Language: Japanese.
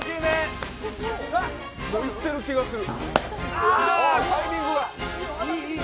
もういってる気がする。